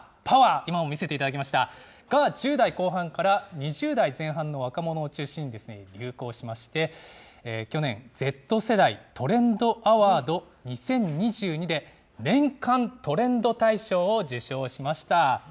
今も見せていただきました、が、１０代後半から２０代前半の若者を中心に流行しまして、去年、Ｚ世代トレンドアワード２０２２で、年間トレンド大賞を受賞しました。